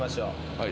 はい。